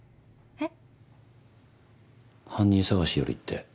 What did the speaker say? えっ？